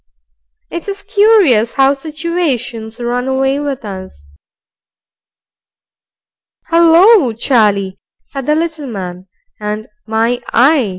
It is curious how situations run away with us. "'Ullo, Charlie!" said the little man, and "My eye!"